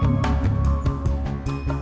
aku kasih tau ya